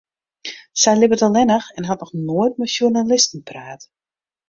Sy libbet allinnich en hat noch noait mei sjoernalisten praat.